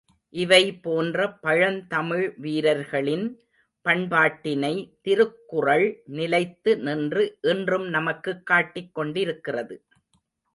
இவைபோன்ற பழந்தமிழ் வீரர்களின் பண்பாட்டினை திருக்குறள் நிலைத்து நின்று, இன்றும் நமக்குக் காட்டிக் கொண்டிருக்கிறது.